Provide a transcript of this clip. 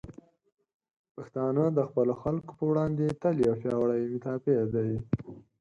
پښتانه د خپلو خلکو په وړاندې تل یو پیاوړي مدافع دی.